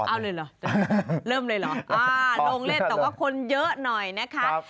เอาเลยเหรอเริ่มเลยเหรอลงเล่นแต่ว่าคนเยอะหน่อยนะคะ